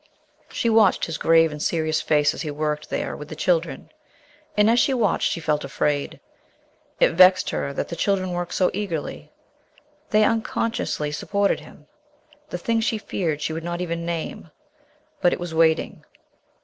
She watched his grave and serious face as he worked there with the children, and as she watched she felt afraid. It vexed her that the children worked so eagerly. They unconsciously supported him. The thing she feared she would not even name. But it was waiting.